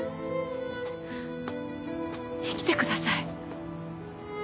生きてください。